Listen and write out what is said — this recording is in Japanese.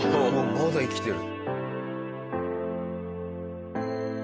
まだ生きてる。